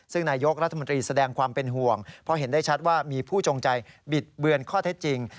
ซึ่งนายกรัฐมนตรีแสดงความเป็นห่วงเพราะเห็นได้ชัดว่ามีผู้จงใจบิดเบือนข้อเท็จจริง